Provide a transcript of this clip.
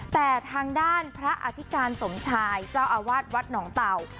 แต่ทางด้านพระอธิการสมชายเจ้าอาวาสวัดหนองเต่า